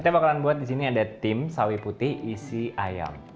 kita bakalan buat di sini ada tim sawi putih isi ayam